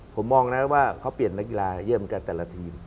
ผมมองนะว่าเขาเปลี่ยนนักกีฬาเยี่ยมเหมือนกันแต่ละทีม